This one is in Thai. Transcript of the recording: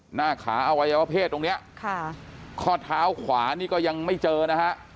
หน้าขาอวัยวะเพศตรงเนี้ยค่ะข้อเท้าขวานี่ก็ยังไม่เจอนะฮะ